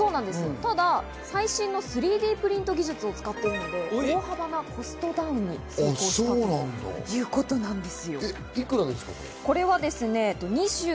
ただ最新の３Ｄプリント技術を使っているので、大幅なコストダウンになっているということです。